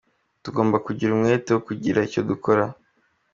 Tugomba kugira umwete wo kugira icyo dukora.